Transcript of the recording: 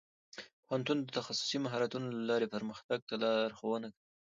پوهنتون د تخصصي مهارتونو له لارې پرمختګ ته لارښوونه کوي.